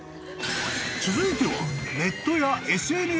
［続いては］